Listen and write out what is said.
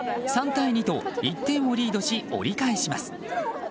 ３対２と１点をリードし折り返します。